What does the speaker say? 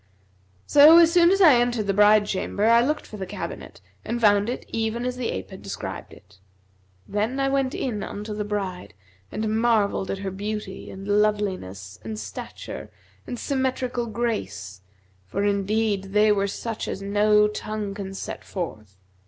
So as soon as I entered the bride chamber, I looked for the cabinet and found it even as the ape had described it. Then I went in unto the bride and marvelled at her beauty and loveliness and stature and symmetrical grace, for indeed they were such as no tongue can set forth.